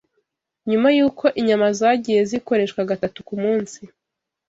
nyuma y’uko inyama zagiye zikoreshwa gatatu ku munsi.